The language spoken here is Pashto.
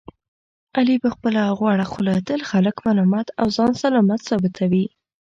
علي په خپله غوړه خوله تل خلک ملامت او ځان سلامت ثابتوي.